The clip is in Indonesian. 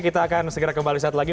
kita akan segera kembali saat lagi